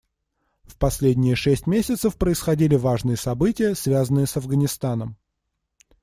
В последние шесть месяцев происходили важные события, связанные с Афганистаном.